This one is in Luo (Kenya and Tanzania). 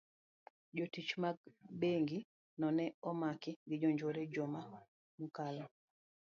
jotich mag bengi no ne omaki gi jonjore juma mokalo.